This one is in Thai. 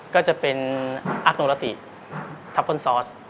ก็จะเป็นอักโนราติทัพพ่นซอส